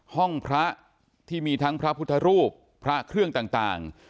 ห้องพระที่มีทั้งพระพุทธรูปพระเครื่องต่าง